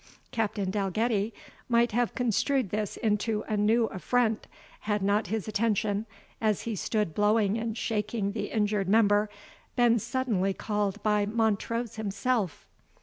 Captain Dalgetty might have construed this into a new affront, had not his attention, as he stood blowing and shaking the injured member, been suddenly called by Montrose himself.